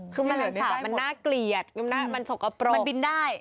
คือแมลงสาปมันน่าเกลียดมันสกปรกมันบินได้